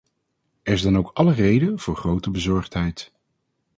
Er is dan ook alle reden voor grote bezorgdheid.